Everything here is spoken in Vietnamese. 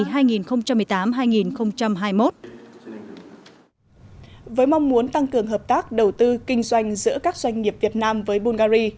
với mong muốn tăng cường hợp tác đầu tư kinh doanh giữa các doanh nghiệp việt nam với bulgari